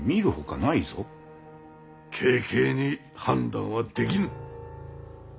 軽々に判断はできぬ。